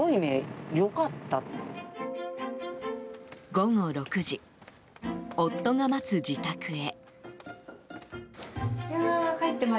午後６時、夫が待つ自宅へ。